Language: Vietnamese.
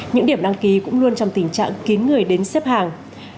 những điểm đăng ký cũng luôn trong tình trạng kín người đến xếp hàng